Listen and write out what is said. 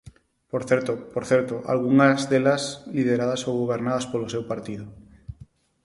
Por certo, por certo, algunhas delas lideradas ou gobernadas polo seu partido.